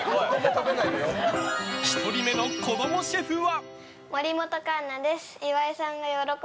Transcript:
１人目の子供シェフは？